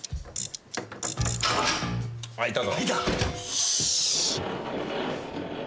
開いたぞ。